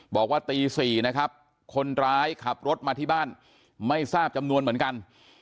บอกว่าตี๔นะครับคนร้ายขับรถมาที่บ้านไม่ทราบจำนวนเหมือนกัน